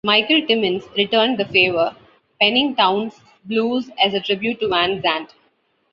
Michael Timmins returned the favor, penning "Townes' Blues" as a tribute to Van Zandt.